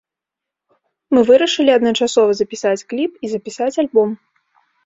Мы вырашылі адначасова запісаць кліп і запісаць альбом.